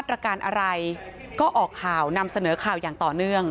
ตรการอะไรก็ออกข่าวนำเสนอข่าวอย่างต่อเนื่อง